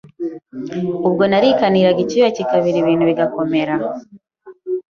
Ubwo narikaniraga icyuya kikabira ibintu bigakomera